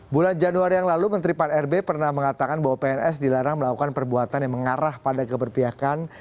bulan januari yang lalu menteri pan rb pernah mengatakan bahwa pns dilarang melakukan perbuatan yang mengarah pada keberpihakan